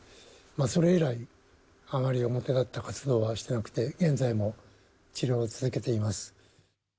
それ以来、あまり表立った活動はしてなくて、現在も治療を続けています。